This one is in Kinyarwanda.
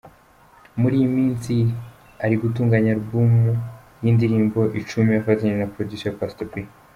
Muri iyi minsi ri gutunganya album y’indirimbo icumi afatanyije na Producer Pastor P.